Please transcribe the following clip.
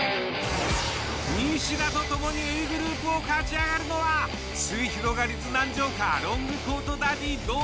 西田と共にＡグループを勝ち上がるのはすゑひろがりず南條かロングコートダディ堂